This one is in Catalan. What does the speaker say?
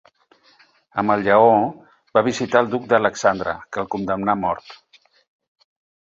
Amb el lleó, va visitar el duc Alexandre, que el condemnà a mort.